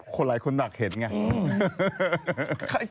คนหลายคนอยากเห็นเนี่ย